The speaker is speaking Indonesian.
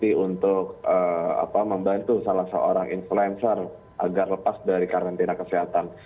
ini untuk membantu salah seorang influencer agar lepas dari karantina kesehatan